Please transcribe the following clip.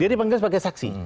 dia dipanggil sebagai saksi